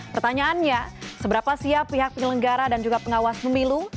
pertanyaannya seberapa siap pihak penyelenggara dan juga pengawas pemilu